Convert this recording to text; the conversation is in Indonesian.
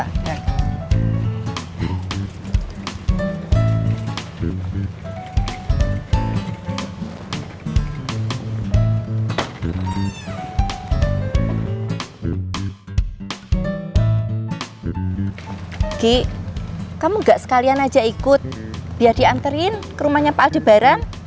kiki kamu gak sekalian aja ikut biar dianterin ke rumahnya pak aldebaran